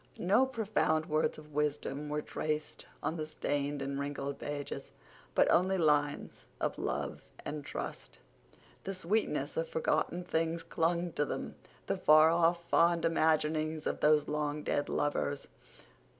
No profound words of wisdom were traced on the stained and wrinkled pages, but only lines of love and trust. The sweetness of forgotten things clung to them—the far off, fond imaginings of those long dead lovers.